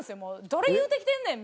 「どれ言うてきてんねん！！」